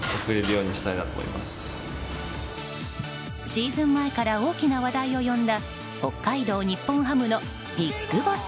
シーズン前から大きな話題を呼んだ北海道日本ハムのＢＩＧＢＯＳＳ。